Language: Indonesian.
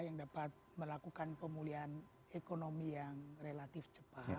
yang dapat melakukan pemulihan ekonomi yang relatif cepat